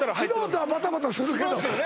素人はバタバタするけどしますよね